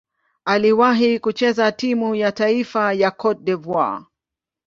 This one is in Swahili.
Aliwahi kucheza timu ya taifa ya Cote d'Ivoire.